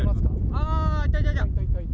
あー、いたいた。